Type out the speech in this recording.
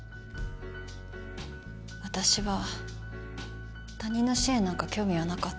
私は他人の支援なんか興味はなかった。